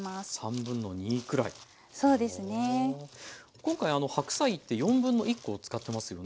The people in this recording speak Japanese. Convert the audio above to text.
今回白菜って1/4コ使ってますよね。